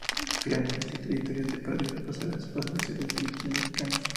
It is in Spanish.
Creando así trayectoria para diversas pasarelas y comerciales de televisión mexicanos.